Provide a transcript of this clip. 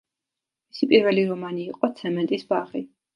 მისი პირველი რომანი იყო „ცემენტის ბაღი“.